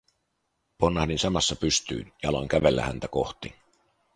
Ponnahdin samassa pystyyn ja aloin kävellä häntä kohti.